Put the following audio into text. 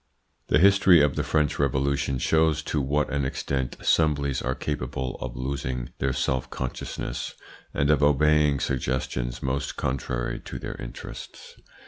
The history of the French Revolution shows to what an extent assemblies are capable of losing their self consciousness, and of obeying suggestions most contrary to their interests.